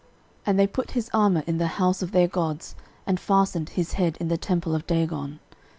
13:010:010 And they put his armour in the house of their gods, and fastened his head in the temple of Dagon.